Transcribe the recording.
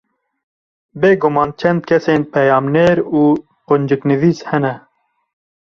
Bêguman çend kesên peyamnêr û qunciknivîs hene